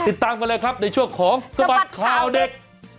ติดตามกันเลยครับในช่วงของสบัดข่าวเด็ก